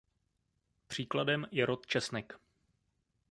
Příkladem je rod česnek.